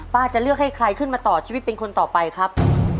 จะเลือกให้ใครขึ้นมาต่อชีวิตเป็นคนต่อไปครับ